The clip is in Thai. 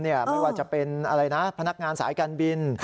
ไม่ว่าจะเป็นอะไรนะพนักงานสายการบิน